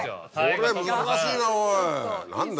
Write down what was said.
これ難しいなおい何だこれ。